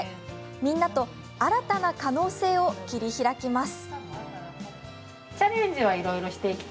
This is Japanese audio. みんなと新たな可能性を切り開きます。